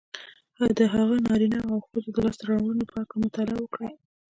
د هغو نارینهوو او ښځو د لاسته رواړنو په هکله مطالعه وکړئ